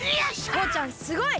とうちゃんすごい！